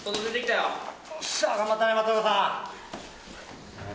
よっしゃ、頑張ったね、松岡さん。